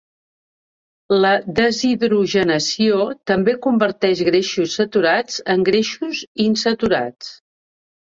La deshidrogenació també converteix greixos saturats en greixos insaturats.